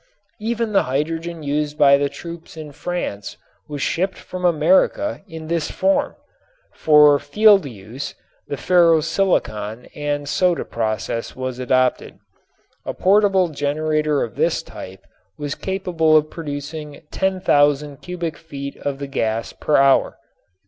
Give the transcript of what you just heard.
Even the hydrogen used by the troops in France was shipped from America in this form. For field use the ferro silicon and soda process was adopted. A portable generator of this type was capable of producing 10,000 cubic feet of the gas per hour.